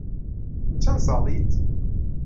چەند ساڵیت؟